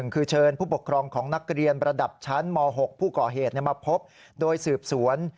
คือเชิญผู้ปกครองของนักเรียนระดับชั้นม๖ผู้ก่อเหตุมาพบโดยสืบสวน